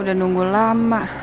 udah nunggu lama